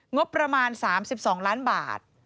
งบประมาณ๓๒ล้านบาท